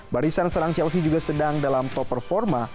barisan serang chelsea juga sedang dalam top performa